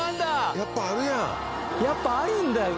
やっぱあるんだよ！